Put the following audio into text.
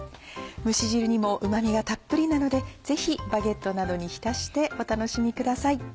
蒸し汁にもうま味がたっぷりなのでぜひバゲットなどに浸してお楽しみください。